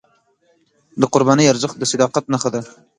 د قربانۍ ارزښت د صداقت نښه ده.